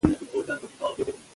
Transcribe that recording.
د عقل تړښت معقول کار نه ښکاري